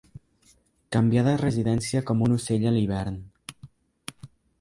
Canviar de residència com un ocell a l'hivern.